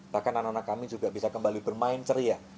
bahkan anak anak kami juga bisa kembali bermain ceria